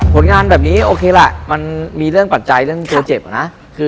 ผลงานแบบนี้โอเคล่ะมันมีเรื่องปัจจัยเรื่องตัวเจ็บอะนะ